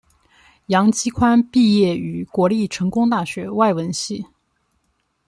杨基宽毕业于国立成功大学外文系。